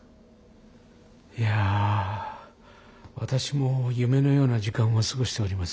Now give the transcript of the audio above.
いや私も夢のような時間を過ごしております。